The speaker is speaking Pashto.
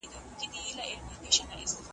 خپل پردي ورته راتلل له نیژدې لیري .